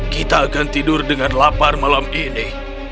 kita akan tidur dengan lapar malam ini